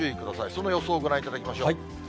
その予想をご覧いただきましょう。